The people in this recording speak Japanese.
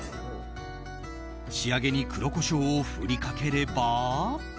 仕上げに黒コショウを振りかければ。